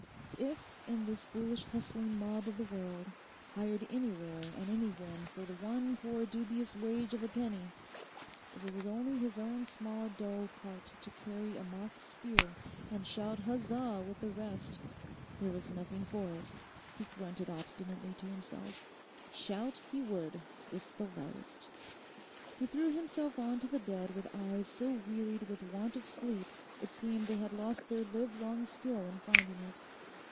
If in this foolish hustling mob of the world, hired anywhere and anywhen for the one poor dubious wage of a penny—if it was only his own small dull part to carry a mock spear, and shout huzza with the rest—there was nothing for it, he grunted obstinately to himself, shout he would with the loudest. He threw himself on to the bed with eyes so wearied with want of sleep it seemed they had lost their livelong skill in finding it.